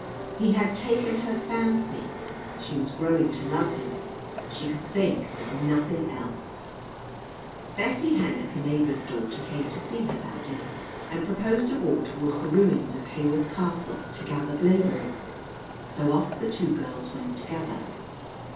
He had "taken her fancy"; she was growing to love him. She could think of nothing else. Bessie Hennock, a neighbour's daughter, came to see her that day, and proposed a walk toward the ruins of Hawarth Castle, to gather "blaebirries." So off the two girls went together.